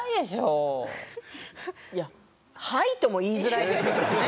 いや「はい」とも言いづらいですけどね。